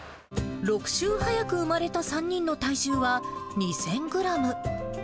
６週早く産まれた３人の体重は２０００グラム。